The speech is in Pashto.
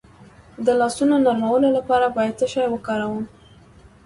د لاسونو نرمولو لپاره باید څه شی وکاروم؟